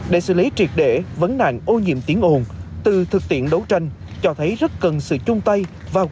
để xử lý triệt để vấn nạn ô nhiễm tiếng ồn từ thực tiễn đấu tranh cho thấy rất cần sự chung tay vào